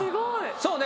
そうね